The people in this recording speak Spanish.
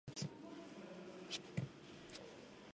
Siempre prefirió las ciencias exactas y la literatura a la música.